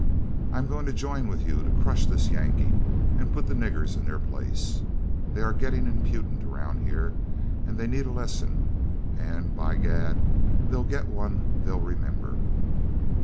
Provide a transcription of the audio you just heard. I'm going to join with you to crush this Yankee and put the niggers in their places. They are getting impudent around here; they need a lesson and, by gad! they'll get one they'll remember."